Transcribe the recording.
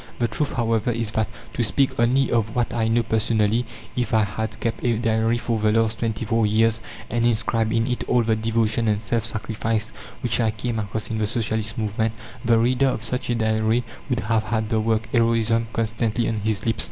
The truth, however, is that to speak only of what I know personally if I had kept a diary for the last twenty four years and inscribed in it all the devotion and self sacrifice which I came across in the Socialist movement, the reader of such a diary would have had the word "heroism" constantly on his lips.